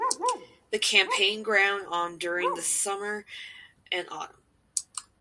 The campaign ground on during the summer and autumn.